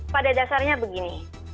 pada dasarnya begini